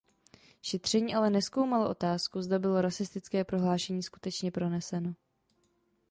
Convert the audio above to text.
Šetření ale nezkoumalo otázku, zda bylo rasistické prohlášení skutečně proneseno.